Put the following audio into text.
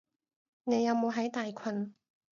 你有冇喺大群？